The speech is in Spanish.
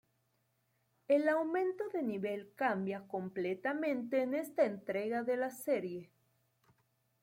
El Aumento de nivel cambia completamente en esta entrega de la serie.